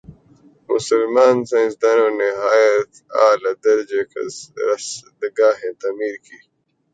مسلمان سائنسدانوں نے نہایت عالیٰ درجہ کی رصدگاہیں تعمیر کیں